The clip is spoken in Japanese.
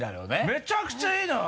めちゃくちゃいいのよ。